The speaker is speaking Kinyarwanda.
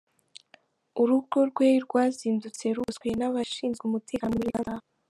Urugo rwe rwazindutse rugoswe n’abashinzwe umutekano muri Uganda.